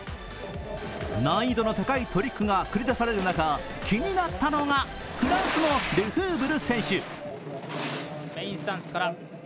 難易度の高いトリックが繰り出される中、気になったのがフランスのルフーブル選手。